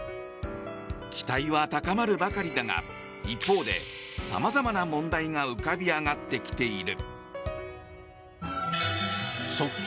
期待は高まるばかりだが一方で、さまざまな問題が浮かび上がってきている。